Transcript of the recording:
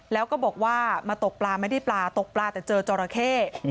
แล้วก็บอกว่ามาตกปลาไม่ได้ปลาตกปลาแต่เจอจราเข้